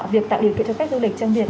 việc tạo điều kiện cho các du lịch trang biệt